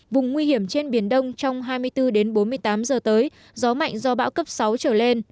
vùng nguy hiểm trên biển đông trong hai mươi bốn bốn mươi tám giờ tới gió mạnh do bão cấp sáu trở lên